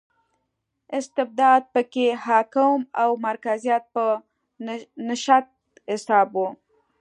استبداد په کې حاکم او مرکزیت په نشت حساب و.